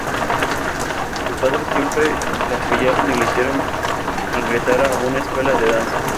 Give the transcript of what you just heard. Sus padres siempre la apoyaron y la hicieron ingresar a una escuela de danza.